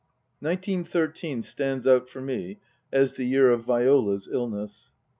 Nineteen thirteen stands out for me as the year of Viola's illness.